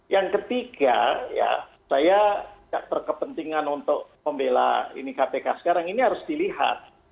yang ketiga ya saya perkepentingan untuk membela kpk sekarang ini harus dilihat